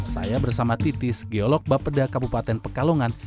saya bersama titis geolog bapeda kabupaten pekalongan